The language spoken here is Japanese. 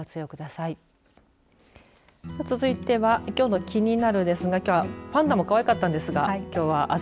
さあ、続いてはきょうのキニナル！ですがパンダもかわいかったんですがはい。